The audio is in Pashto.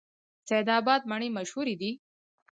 سید اباد مڼې مشهورې دي؟